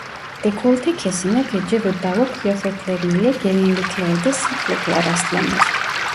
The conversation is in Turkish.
Dekolte kesime gece ve balo kıyafetleri ile gelinliklerde sıklıkla rastlanır.